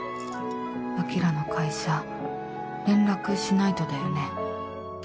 晶の会社連絡しないとだよね